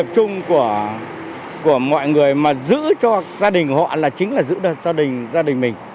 chung của mọi người mà giữ cho gia đình họ là chính là giữ cho gia đình mình